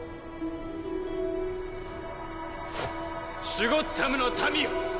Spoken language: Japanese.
シュゴッダムの民よ！